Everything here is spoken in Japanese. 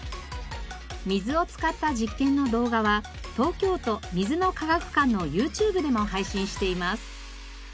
水を使った実験の動画は東京都水の科学館のＹｏｕＴｕｂｅでも配信しています。